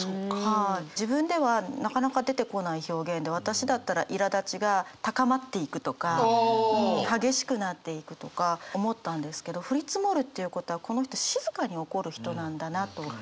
自分ではなかなか出てこない表現で私だったら「苛立ちが高まっていく」とか「激しくなっていく」とか思ったんですけど「降り積もる」っていうことはこの人静かに怒る人なんだなと。